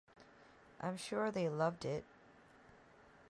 I’m sure they loved it.